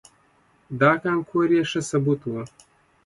دا کانکور یې ښه ثبوت و.